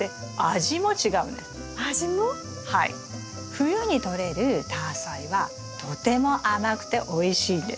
冬にとれるタアサイはとても甘くておいしいんです。